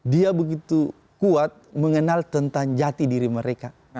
dia begitu kuat mengenal tentang jati diri mereka